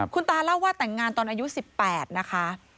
คุณตาเล่าว่าแต่งงานตอนอายุ๑๘นะคะ